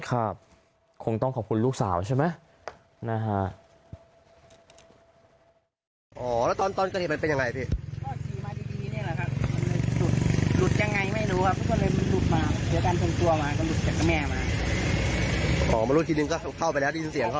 คงต้องขอบคุณลูกสาวใช่ไหมนะฮะ